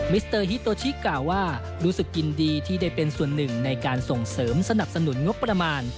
สเตอร์ฮิโตชิกล่าวว่ารู้สึกยินดีที่ได้เป็นส่วนหนึ่งในการส่งเสริมสนับสนุนงบประมาณ